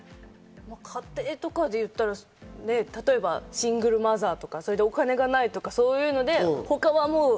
家庭とかでいったら、例えばシングルマザーとか、それでお金がないとか、そういうので。